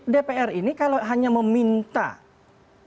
dpr ini kalau hanya meminta pemerintah